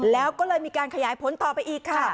แล้วก็เลยมีการขยายผลต่อไปอีกค่ะ